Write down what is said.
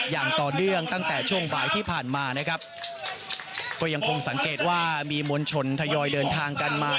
อย่างต่อเนื่องตั้งแต่ช่วงบ่ายที่ผ่านมานะครับก็ยังคงสังเกตว่ามีมวลชนทยอยเดินทางกันมา